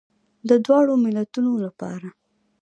د دواړو ملتونو لپاره.